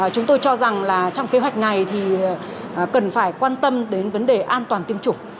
chúng tôi cho rằng là trong kế hoạch này thì cần phải quan tâm đến vấn đề an toàn tiêm chủng